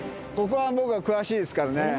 ここは僕は詳しいですからね。